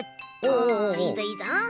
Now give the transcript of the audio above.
おいいぞいいぞ！